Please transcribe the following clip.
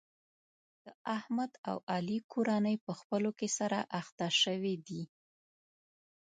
د احمد او علي کورنۍ په خپلو کې سره اخته شوې دي.